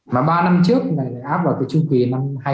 mà ba năm trước áp vào cái chương trình